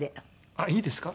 あっいいですか？